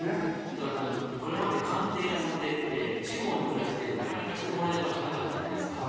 ただこれまで鑑定や査定って地方に暮らしているとなかなかしてもらえる場所がなかったじゃないですか。